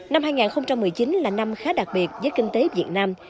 năm hai nghìn một mươi chín là năm khá đặc biệt với kinh tế việt nam